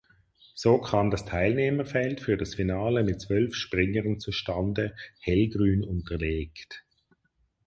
So kam das Teilnehmerfeld für das Finale mit zwölf Springern zustande (hellgrün unterlegt).